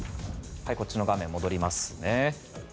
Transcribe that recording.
こちらの画面戻りますね。